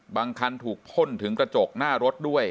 คันถูกพ่นถึงกระจกหน้ารถด้วย